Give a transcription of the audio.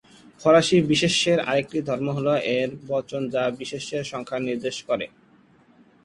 ফরাসি বিশেষ্যের আরেকটি ধর্ম হল এর বচন, যা বিশেষ্যের সংখ্যা নির্দেশ করে।